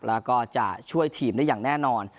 แล้วก็จะช่วยทีมได้อย่างแน่นอน